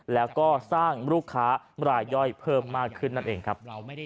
แล้วก็สร้างลูกค้ารายย่อยเพิ่มมากขึ้นนั่นเองครับ